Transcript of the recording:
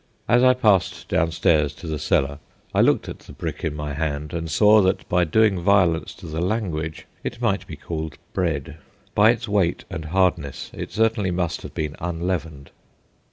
As I passed downstairs to the cellar, I looked at the brick in my hand, and saw that by doing violence to the language it might be called "bread." By its weight and hardness it certainly must have been unleavened.